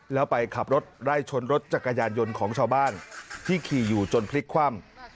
แล้วไปขับรถไล่ชนรถจักรยานยนต์ของชาวบ้านที่ขี่อยู่จนพลิกคว่ำ